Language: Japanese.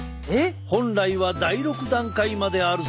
本来は第６段階まであるぞ。